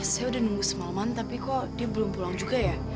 saya udah nunggu semalaman tapi kok dia belum pulang juga ya